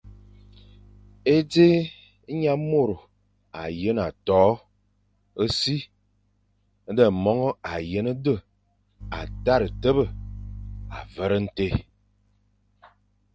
E dza, nyamôro â yén a toʼo ô si, na mongo a yén do, â téré a tebe a vere ntén.